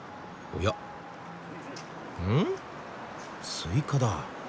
スイカだ。